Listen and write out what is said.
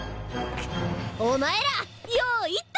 お前らよう言った！